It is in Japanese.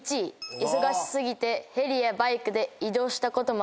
忙し過ぎてヘリやバイクで移動したこともある。